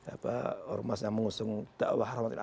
orang emas yang mengusung da'wah